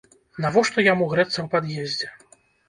Навошта яму грэцца ў пад'ездзе?